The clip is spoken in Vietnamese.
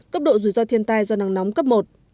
cấp độ rủi ro thiên tai do nắng nóng cấp một